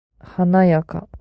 華やか。